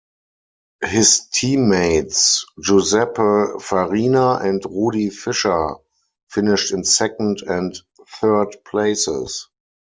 His teammates Giuseppe Farina and Rudi Fischer finished in second and third places.